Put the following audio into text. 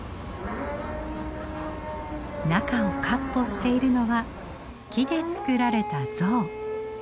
中をかっ歩しているのは木で作られた象。